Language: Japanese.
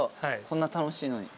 こんな楽しいのに。